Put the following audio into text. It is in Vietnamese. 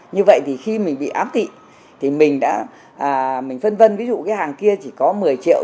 như vậy thì khi mình bị ám tị thì mình đã mình phân vân ví dụ cái hàng kia chỉ có một mươi triệu